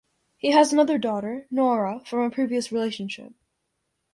He has another daughter, Nora, from a previous relationship.